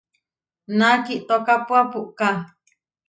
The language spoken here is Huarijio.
Na kitókapua puʼká.